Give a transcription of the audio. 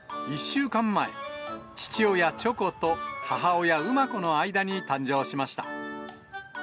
１週間前、父親、ちょこと母親、ウマコの間に誕生しました。